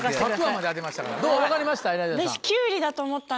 どう分かりました？